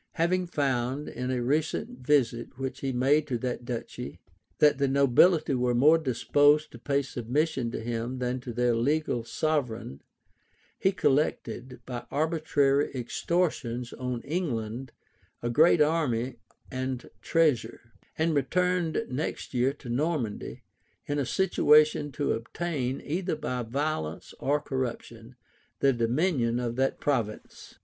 Having found, in a visit which he made to that duchy, that the nobility were more disposed to pay submission to him than to their legal sovereign, he collected, by arbitrary extortions on England a great army and treasure, and returned next year to Normandy, in a situation to obtain, either by violence or corruption, the dominion of that province.